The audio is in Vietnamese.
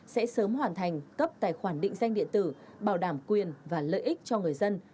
sẽ sớm hoàn thành cấp tài khoản định danh điện tử bảo đảm quyền và lợi ích cho người dân